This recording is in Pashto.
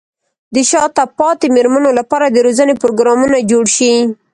د شاته پاتې مېرمنو لپاره د روزنې پروګرامونه جوړ شي.